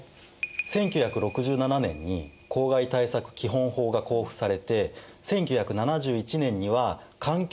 １９６７年に公害対策基本法が公布されて１９７１年には環境庁が発足しました。